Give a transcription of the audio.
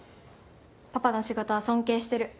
パパの仕事は尊敬してる。